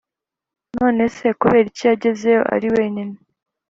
nonese kuberiki yagezeyo ari wenyine